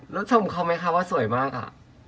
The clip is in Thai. แล้วชมเขาไหมคะว่าสวยมากอ่ะ